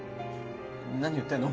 何言ってんの？